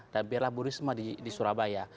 dan biarlah bu risma di surabaya